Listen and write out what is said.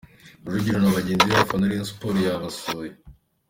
Rujugiro na bagenzi be bafana Rayon Sports yabasuye.